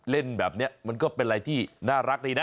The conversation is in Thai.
เล่นแบบนี้มันก็เป็นอะไรที่น่ารักดีนะ